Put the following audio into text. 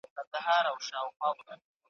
اګاتا روزېک د څارنې څېړونکی دی.